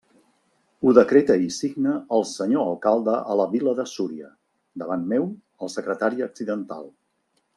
Ho decreta i signa el senyor Alcalde a la vila de Súria, davant meu, el secretari accidental.